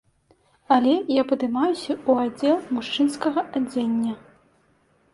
Але я падымаюся ў аддзел мужчынскага адзення.